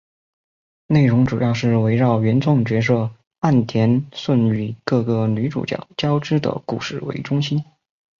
内容主要是围绕原创角色岸田瞬与各个女主角交织的故事为中心。